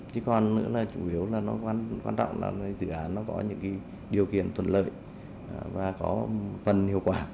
chứ còn nữa là chủ yếu là dự án có những điều kiện thuận lợi và có phần hiệu quả